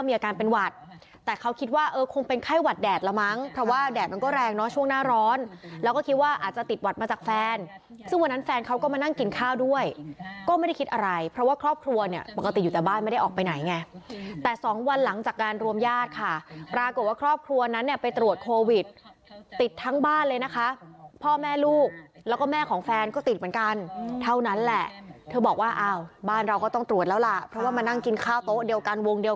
มันก็แรงเนอะช่วงหน้าร้อนแล้วก็คิดว่าอาจจะติดหวัดมาจากแฟนซึ่งวันนั้นแฟนเขาก็มานั่งกินข้าวด้วยก็ไม่ได้คิดอะไรเพราะว่าครอบครัวเนี่ยมันก็ติดอยู่แต่บ้านไม่ได้ออกไปไหนไงแต่๒วันหลังจากการรวมญาติค่ะปรากฏว่าครอบครัวนั้นไปตรวจโควิดติดทั้งบ้านเลยนะคะพ่อแม่ลูกแล้วก็แม่ของแฟนก็ติด